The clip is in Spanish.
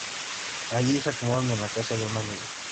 Allí se acomodan en la casa de una amiga.